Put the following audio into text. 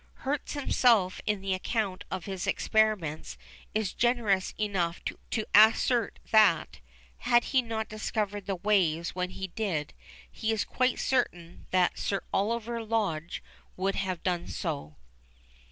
Hertz himself in his account of his experiments is generous enough to assert that, had he not discovered the waves when he did, he is quite certain that Sir Oliver Lodge would have done so.